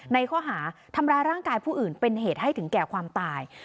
ในข้อหาทำร้ายร่างกายผู้อื่นเป็นเหตุให้ถึงแก่ความตาย